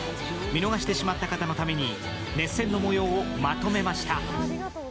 見逃してしまった方のために熱戦の模様をまとめました。